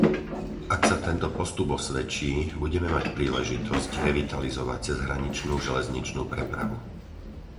Ak sa tento postup osvedčí, budeme mať príležitosť revitalizovať cezhraničnú železničnú prepravu.